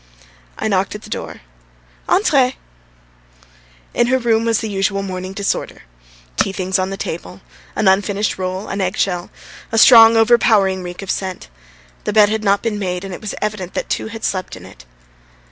I knocked at the door. "Entrez!" In her room was the usual morning disorder: tea things on the table, an unfinished roll, an eggshell; a strong overpowering reek of scent. The bed had not been made, and it was evident that two had slept in it.